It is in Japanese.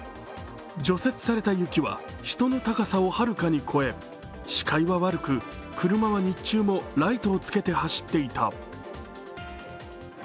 除雪された雪は人の高さをはるかに超え視界は悪く、車は日中もライトをつけて走っていた。